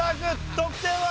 得点は？